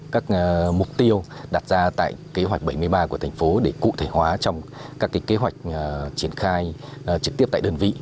các mục tiêu đặt ra tại kế hoạch bảy mươi ba của thành phố để cụ thể hóa trong các kế hoạch triển khai trực tiếp tại đơn vị